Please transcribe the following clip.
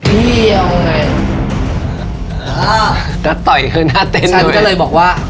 พี่เอาไงอ้านัดต่อยเฮ้ยหน้าเต้นด้วยฉันก็เลยบอกว่า